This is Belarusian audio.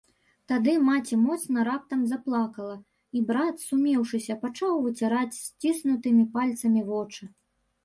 Тады маці моцна раптам заплакала, і брат, сумеўшыся, пачаў выціраць сціснутымі пальцамі вочы.